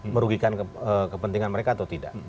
merugikan kepentingan mereka atau tidak